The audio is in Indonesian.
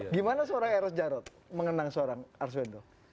gimana seorang eros jarod mengenang seorang arswendo